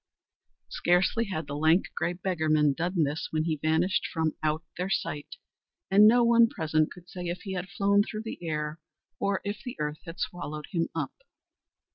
Scarcely had the lank, grey beggarman done this when he vanished from out their sight, and no one present could say if he had flown through the air or if the earth had swallowed him up.